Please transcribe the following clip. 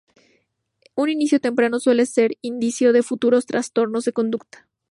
Un inicio temprano suele ser indicio de futuros trastornos de conducta.